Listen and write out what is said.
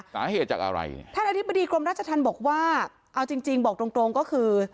สาเหตุจากอะไรท่านอธิบดีกรมราชธรรมบอกว่าเอาจริงจริงบอกตรงตรงก็คือ